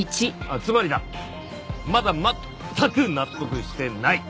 つまりだまだ全く納得してない。